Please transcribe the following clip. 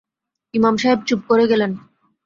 ইমাম সাহের চুপ করে গেলেন।